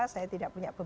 saya tidak punya pemutus